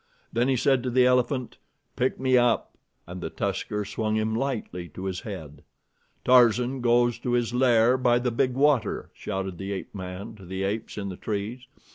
Then he said to the elephant: "Pick me up!" and the tusker swung him lightly to his head. "Tarzan goes to his lair by the big water," shouted the ape man to the apes in the trees.